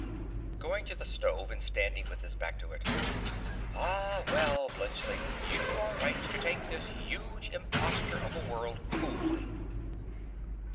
(Going to the stove and standing with his back to it.) Ah, well, Bluntschli, you are right to take this huge imposture of a world coolly.